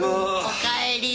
おかえり。